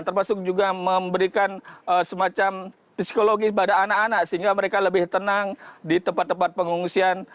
termasuk juga memberikan semacam psikologis pada anak anak sehingga mereka lebih tenang di tempat tempat pengungsian